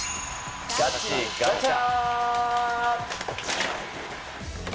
ガチガチャ！